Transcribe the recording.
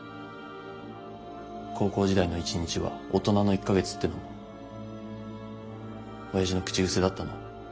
「高校時代の一日は大人の一か月」ってのも親父の口癖だったの？